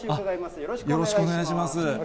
よろしくお願いします。